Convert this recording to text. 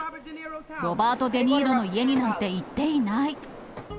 ロバート・デ・ニーロの家になんて行っていない。